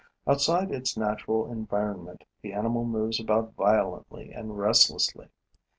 Outside its natural environment, the animal moves about violently and restlessly.